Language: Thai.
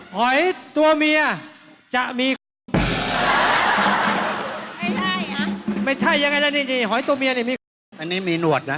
หอยตัวเมียจะมี